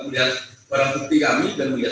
melihat barang bukti kami dan melihat